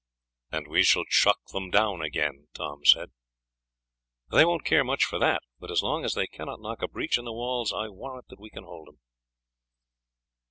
"And we shall chuck them down again," Tom said. "They won't care much for that. But as long as they cannot knock a breach in the walls I warrant that we can hold them."